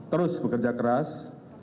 terus bekerja keras